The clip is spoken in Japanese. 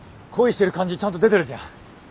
恋してる感じちゃんと出てるじゃん！